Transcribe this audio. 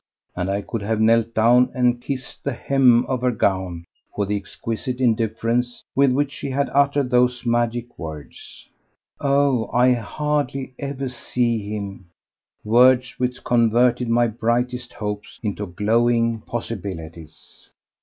and I could have knelt down and kissed the hem of her gown for the exquisite indifference with which she had uttered those magic words: "Oh! I hardly ever see him!"—words which converted my brightest hopes into glowing possibilities.